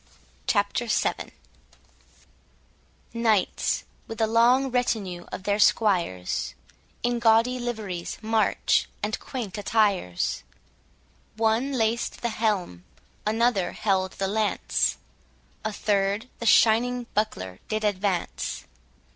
CHAPTER VII Knights, with a long retinue of their squires, In gaudy liveries march and quaint attires; One laced the helm, another held the lance, A third the shining buckler did advance.